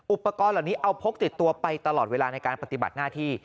อุปกรณ์เหล่านี้เอาพกติดตัวไปตลอดเวลาในการปฏิบัติหน้าที่